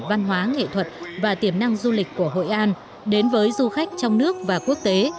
văn hóa nghệ thuật và tiềm năng du lịch của hội an đến với du khách trong nước và quốc tế